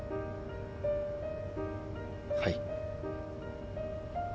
はい。